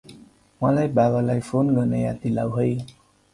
मलाई बाबालाई फोन गर्न याद दिलाउ है ।